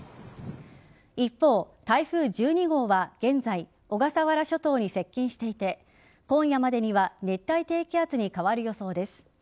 一方、台風１２号は現在、小笠原諸島に接近していて今夜までには熱帯低気圧に変わる予想です。